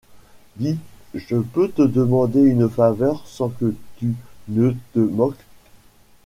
Dis, je peux te demander une faveur sans que tu ne te moques ?